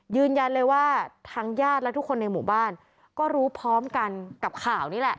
ยืนยันเลยว่าทางญาติและทุกคนในหมู่บ้านก็รู้พร้อมกันกับข่าวนี้แหละ